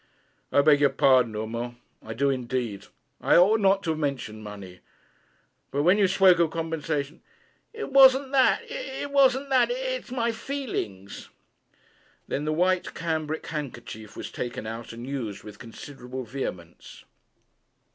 'I beg your pardon, Urmand; I do indeed. I ought not to have mentioned money. But when you spoke of compensation ' 'It wasn't that. It wasn't that. It's my feelings!' Then the white cambric handkerchief was taken out and used with considerable vehemence.